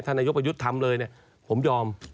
ธนายุปยุทธรรมเลยเนี่ยผมยอม